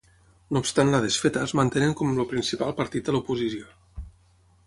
No obstant la desfeta es mantenen com el principal partit a l'oposició.